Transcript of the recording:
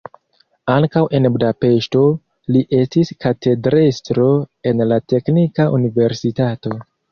Ankaŭ en Budapeŝto li estis katedrestro en la teknika universitato.